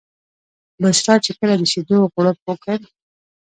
بشرا چې کله د شیدو غوړپ وکړ.